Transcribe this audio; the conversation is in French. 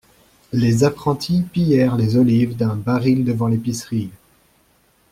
Les apprentis pillèrent les olives d'un baril devant l'épicerie.